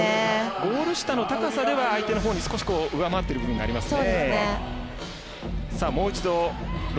ゴール下の高さでは相手のほうに少し上回ってる部分がありますね。